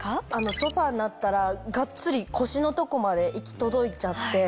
ソファになったらがっつり腰のとこまで行き届いちゃって。